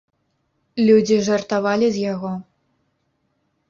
Людзі жартавалі з яго.